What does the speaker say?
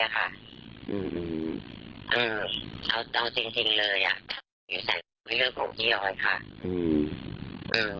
เออเอาจริงจริงเลยอ่ะอยู่แสดงวิเศษกับลูกพี่ยอยค่ะอืมอืม